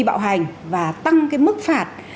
bạo hành và tăng cái mức phạt